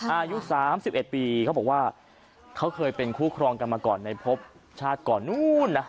อายุ๓๑ปีเขาบอกว่าเขาเคยเป็นคู่ครองกันมาก่อนในพบชาติก่อนนู้นนะ